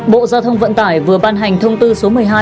bộ giao thông vận tải vừa ban hành thông tư số một mươi hai